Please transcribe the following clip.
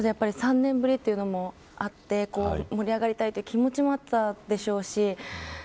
ただ、３年ぶりということもあって盛り上がりたい気持ちもあったでしょうし